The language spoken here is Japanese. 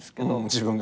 自分がね。